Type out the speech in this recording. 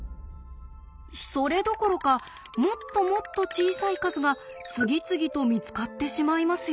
それどころかもっともっと小さい数が次々と見つかってしまいますよね。